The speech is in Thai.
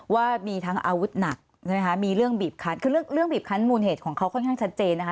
ว่ามีทั้งอาวุธหนักใช่ไหมคะมีเรื่องบีบคันคือเรื่องบีบคันมูลเหตุของเขาค่อนข้างชัดเจนนะคะ